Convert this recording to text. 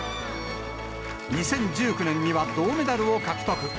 ２０１９年には銅メダルを獲得。